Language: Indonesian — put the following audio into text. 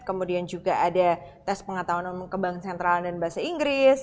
kemudian juga ada tes pengetahuan ke bank sentral dan bahasa inggris